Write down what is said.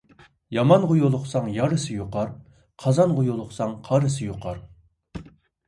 يامانغا يۇلۇقساڭ يارىسى يۇقار، قازانغا يۇلۇقساڭ قارىسى يۇقار.